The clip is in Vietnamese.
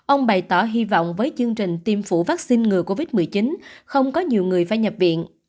ông bày tỏ hy vọng với chương trình tiêm phủ vaccine ngừa covid một mươi chín không có nhiều người phải nhập viện